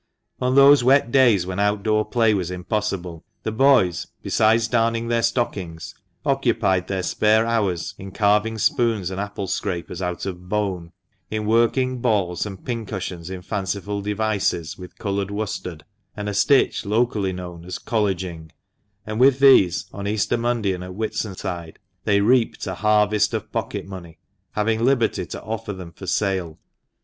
On those wet days when outdoor play was impossible, the boys, besides darning their stockings, occupied their spare hours in carving spoons and apple scrapers out of bone, in working balls and pincushions in fanciful devices with coloured worsted, and a stitch locally known as " colleging ;" and with these, on Easter Monday and at Whitsuntide, they reaped a harvest of pocket money, having liberty to offer them for sale.